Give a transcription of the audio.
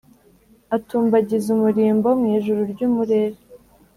Atumbagiza umurimbo Mu ijuru ry'umurere.